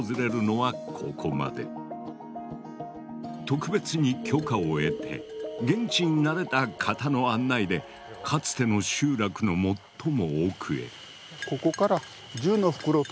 特別に許可を得て現地に慣れた方の案内でかつての集落の最も奥へ。